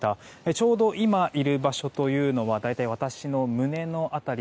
ちょうど今いる場所というのは大体私の胸の辺り。